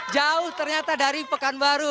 jauh ternyata dari pekanbaru